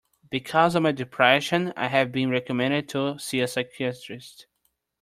Because of my depression, I have been recommended to see a psychiatrist.